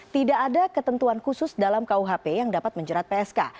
tidak ada ketentuan khusus dalam kuhp yang dapat menjerat psk